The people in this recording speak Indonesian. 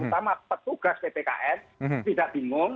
terutama petugas ppkn tidak bingung